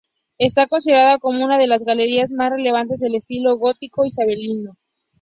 Está considerada como una de las galerías más relevantes del estilo gótico isabelino.